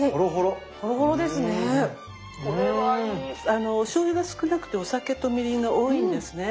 あのおしょうゆが少なくてお酒とみりんが多いんですね。